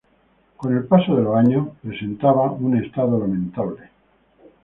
Con el paso de los años presentaba un estado lamentable.